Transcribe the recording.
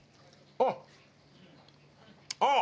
あっ！